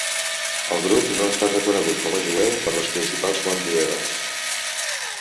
El grup no està reconegut com a jueu per les principals fonts jueves.